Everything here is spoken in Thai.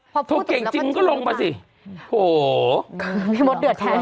พอโทรเก่งจริงก็ลงมาสิโหพี่มดเดือดแทน